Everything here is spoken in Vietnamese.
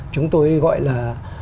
chúng tôi gọi là